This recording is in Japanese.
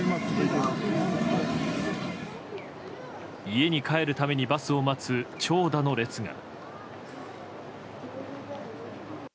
家に帰るためにバスを待つ長蛇の列が。